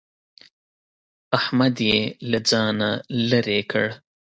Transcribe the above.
احمد يې له ځانه لرې کړ.